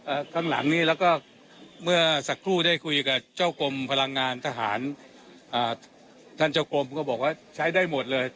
ข้างหลังนี้แล้วก็เมื่อสักครู่ได้คุยกับเจ้ากรมพลังงานทหารอ่าท่านเจ้ากรมก็บอกว่าใช้ได้หมดเลย